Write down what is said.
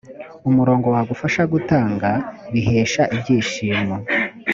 umurongo wagufasha gutanga bihesha ibyishimo